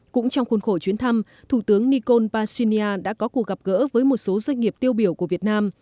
cũng trong khuôn khổ chuyến thăm thủ tướng nikol pashinyan đã có cuộc gặp gỡ với một số doanh nghiệp tiêu biểu của việt nam